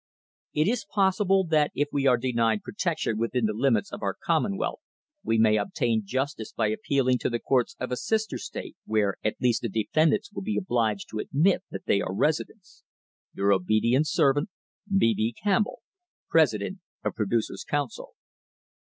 It is possible that if we are denied protection within the limits of our commonwealth, we may obtain jus tice by appealing to the courts of a sister state, where at least the defendants will be obliged to admit that they are residents. Your obedient servant, B. B. Campbell, President of Producers* Council."